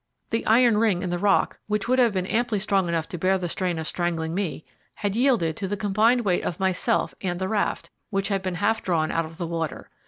The iron ring in the rock, which would have been amply strong enough to bear the strain of strangling me, had yielded to the combined weight of myself and the raft, which had been half drawn out of the water.